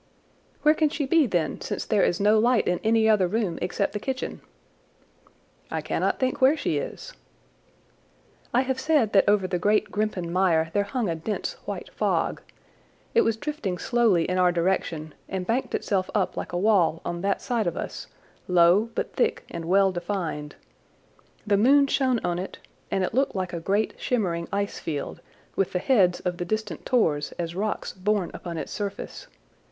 "Where can she be, then, since there is no light in any other room except the kitchen?" "I cannot think where she is." I have said that over the great Grimpen Mire there hung a dense, white fog. It was drifting slowly in our direction and banked itself up like a wall on that side of us, low but thick and well defined. The moon shone on it, and it looked like a great shimmering ice field, with the heads of the distant tors as rocks borne upon its surface.